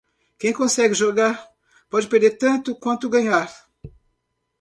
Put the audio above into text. Quem consegue jogar, pode perder tanto quanto ganhar.